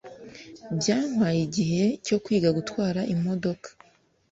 Byantwaye igihe cyo kwiga gutwara imodoka.